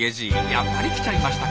やっぱり来ちゃいましたか。